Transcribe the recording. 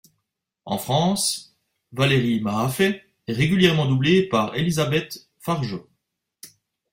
En France, Valerie Mahaffey est régulièrement doublée par Elizabeth Fargeot.